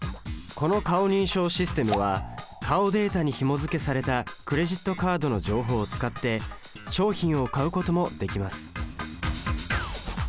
この顔認証システムは顔データにひもづけされたクレジットカードの情報を使って商品を買うこともできます